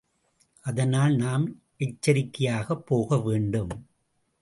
அதனால் நாம் எச்சரிக்கையாகப் போக வேண்டும்.